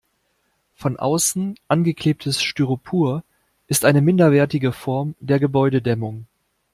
Von außen angeklebtes Styropor ist eine minderwertige Form der Gebäudedämmung.